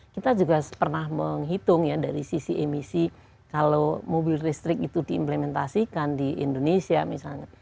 kita juga pernah menghitung ya dari sisi emisi kalau mobil listrik itu diimplementasikan di indonesia misalnya